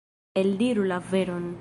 Eldiru la veron.